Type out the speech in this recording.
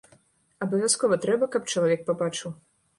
Абавязкова трэба, каб чалавек пабачыў.